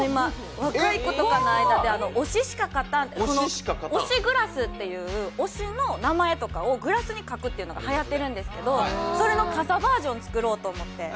若い子の間で推しグラスという、推しの名前とかグラスに書くというのがはやっているんですけど、それの傘バージョンを作ろうと思って。